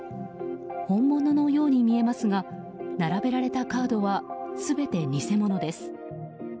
本物のように見えますが並べられたカードは全て偽物です。